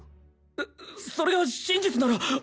そそれが真実なら。